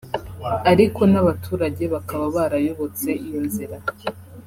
ariko n’abaturage bakaba barayobotse iyo nzira